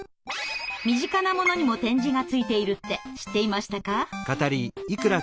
身近なものにも点字がついているって知っていましたか？